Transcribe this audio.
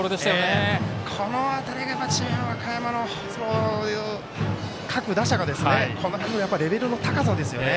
この辺りが智弁和歌山の各打者のレベルの高さですよね。